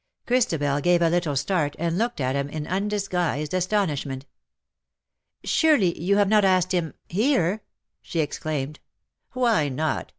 Christabel gave a little start, and looked at him in undisguised astonishment. ^' Surely you have not asked him — here ?" she exclaimed. " Why not